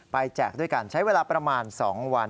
แจกด้วยกันใช้เวลาประมาณ๒วัน